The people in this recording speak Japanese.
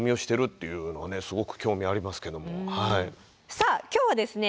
さあ今日はですね